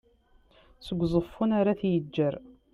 seg uẓeffun ar at yeğğer